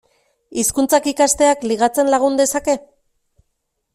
Hizkuntzak ikasteak ligatzen lagun dezake?